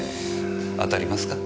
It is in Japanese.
当たりますか？